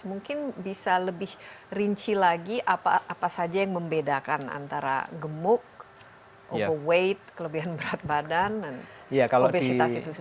mungkin bisa lebih rinci lagi apa saja yang membedakan antara gemuk overweight kelebihan berat badan dan obesitas itu sendiri